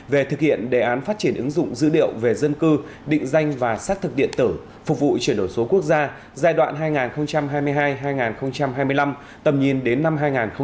về thực hiện đề án phát triển ứng dụng dữ liệu về dân cư định danh và xác thực điện tử phục vụ chuyển đổi số quốc gia giai đoạn hai nghìn hai mươi hai hai nghìn hai mươi năm tầm nhìn đến năm hai nghìn ba mươi